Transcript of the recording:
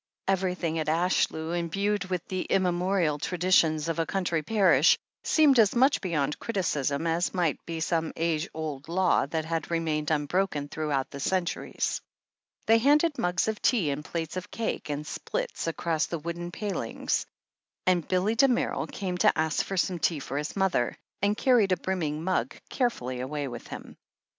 Everything at Ashlew, imbued with the immemorial traditions of a country parish, seemed as much beyond criticism as might be some age old law that had remained unbroken throughout centuries. They handed mugs of tea and plates of cake and splits across the wooden palings, and Billy Damerel came to ask for some tea for his mother, and carried a brimming mug carefully away with him.